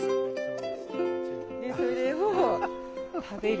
でそれを食べる。